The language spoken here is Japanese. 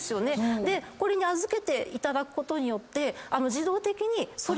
これに預けていただくことによって。